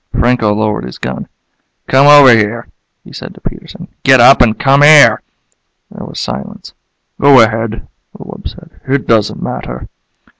Franco lowered his gun. "Come over here," he said to Peterson. "Get up and come here." There was silence. "Go ahead," the wub said. "It doesn't matter."